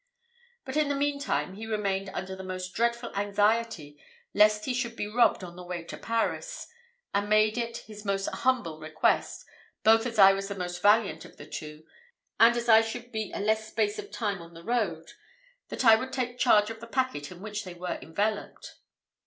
But in the meantime he remained under the most dreadful anxiety lest he should be robbed on the way to Paris; and made it his most humble request, both as I was the most valiant of the two, and as I should be a less space of time on the road, that I would take charge of the packet in which they were enveloped.